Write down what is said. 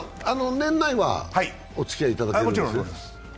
年内はおつきあいただけるんですね？